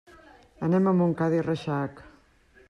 Anem a Montcada i Reixac.